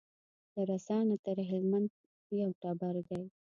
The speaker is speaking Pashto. له رسا نه تر هلمند یو ټبر دی